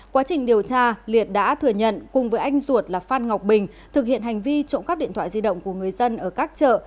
quá trình điều tra liệt đã thừa nhận cùng với anh ruột là phan ngọc bình thực hiện hành vi trộm cắp điện thoại di động của người dân ở các chợ